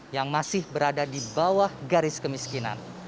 yang masih berada di bawah garis kemiskinan